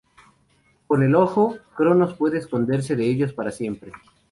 Con el ojo, Cronos puede esconderse de ellos para siempre.